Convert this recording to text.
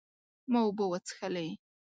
ما اوبه وڅښلې